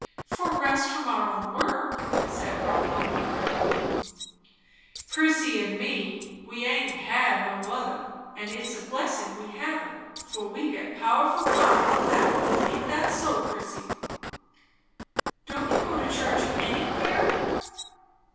"For rest from our own work," said Rotha wonderingly. "Prissy and me, we haint no other; and it's a blessin' we haven't, for we get powerful tired at that. Aint that so, Prissy?" "Don't you go to church anywhere?"